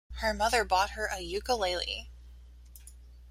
Her mother bought her a ukulele.